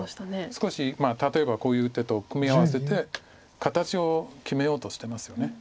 少し例えばこういう手と組み合わせて形を決めようとしてますよね。